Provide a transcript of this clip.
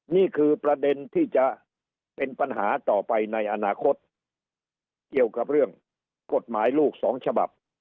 นี่คือประเด็นที่จะเป็นปัญหาต่อไปในอนาคตเกี่ยวกับเรื่องกฎหมายลูกสองฉบับ